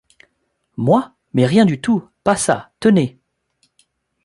Moi! mais rien du tout ! pas ça, tenez !...